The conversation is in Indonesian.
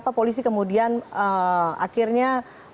jadi kemudian akhirnya